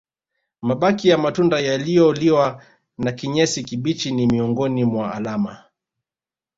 Mabaki ya matunda yaliyoliwa na kinyesi kibichi ni miongoni mwa alama